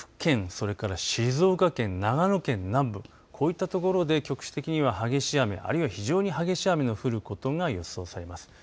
それから静岡県、長野県南部こういったところで局地的には激しい雨あるいは非常に激しい雨の降ることが予想されます。